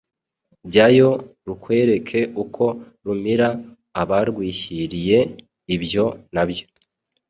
Jyayo rukwereke uko rumira abarwishyiriye, ibyo na byo.